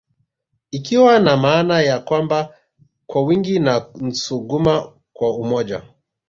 Ikiwa na maana ya kwamba kwa wingi na Nsuguma kwa umoja